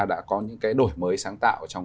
đã có những cái đổi mới sáng tạo trong